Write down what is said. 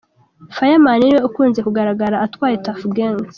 Fireman niwe ukunze kugaragara atwaye Tuff Gangs.